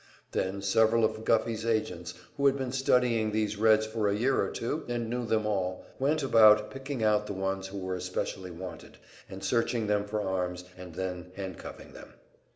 Then several of the agents of Guffey, who had been studying these Reds for a year or two and knew them all, went about picking out the ones who were especially wanted, and searching them for arms, and then handcuffing them.